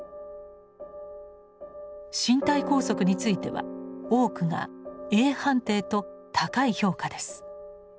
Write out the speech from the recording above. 身体拘束については多くがａ判定と高い評価です。